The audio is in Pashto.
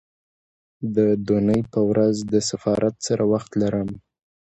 د دونۍ په ورځ د سفارت سره وخت لرم